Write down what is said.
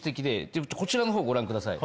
こちらの方ご覧ください。